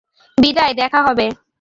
বিদায়, দেখা হবে!